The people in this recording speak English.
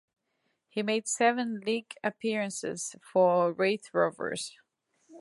He made seven league appearances for Raith Rovers.